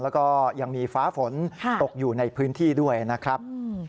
แล้วก็ยังมีฟ้าฝนตกอยู่ในพื้นที่ด้วยนะครับ